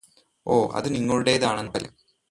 ഓ അത് നിങ്ങളുടെതാണെന്ന് ഉറപ്പല്ലേ